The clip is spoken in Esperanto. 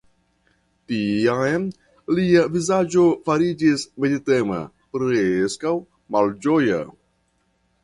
Tiam lia vizaĝo fariĝis meditema, preskaŭ malĝoja.